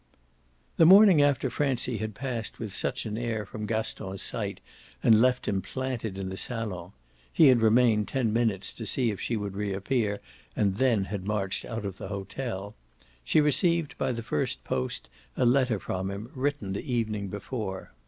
The morning after Francie had passed with such an air from Gaston's sight and left him planted in the salon he had remained ten minutes, to see if she would reappear, and then had marched out of the hotel she received by the first post a letter from him, written the evening before.